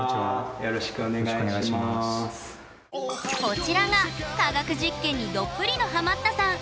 こちらが科学実験にどっぷりのハマったさん